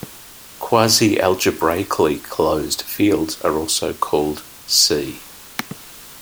Quasi-algebraically closed fields are also called "C".